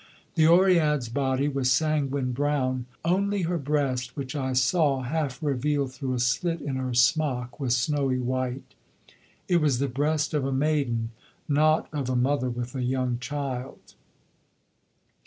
The Oread's body was sanguine brown, only her breast, which I saw half revealed through a slit in her smock, was snowy white. It was the breast of a maiden, not of a mother with a young child.